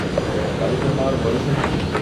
Girlfriend আর বয়ঃসন্ধি?